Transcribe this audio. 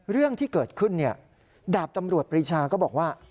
เรื่องที่เกิดขึ้นดาบตำรวจปรีชาก็บอกว่า